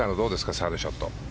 サードショット。